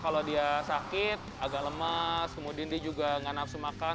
kalau dia sakit agak lemas kemudian dia juga nggak nafsu makan